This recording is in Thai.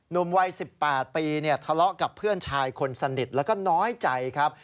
หนุ่มวัย๑๘ปีทะเลาะกับเพื่อนชายคนสนิทแล้วก็น้อยใจครับ